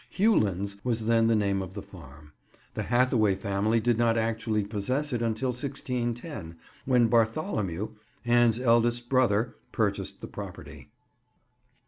"Hewlands" was then the name of the farm. The Hathaway family did not actually possess it until 1610, when Bartholomew, Anne's eldest brother, purchased the property.